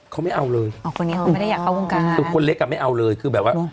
เขาไม่เอาเลยอ๋อคนนี้เขาไม่ได้อยากเข้าวงการคือคนเล็กอ่ะไม่เอาเลยคือแบบว่า